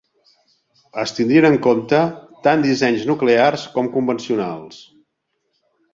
Es tindrien en compte tant dissenys nuclears com convencionals.